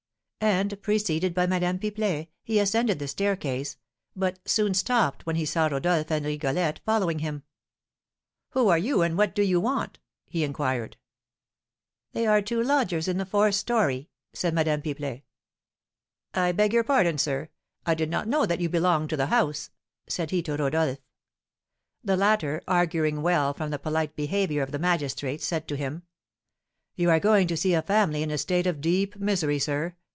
And, preceded by Madame Pipelet, he ascended the staircase, but soon stopped when he saw Rodolph and Rigolette following him. "Who are you, and what do you want?" he inquired. "They are two lodgers in the fourth story," said Madame Pipelet. "I beg your pardon, sir, I did not know that you belonged to the house," said he to Rodolph. The latter, auguring well from the polite behaviour of the magistrate, said to him: "You are going to see a family in a state of deep misery, sir.